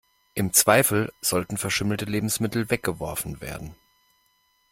Im Zweifel sollten verschimmelte Lebensmittel weggeworfen werden.